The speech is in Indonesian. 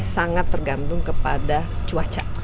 sangat tergantung kepada cuaca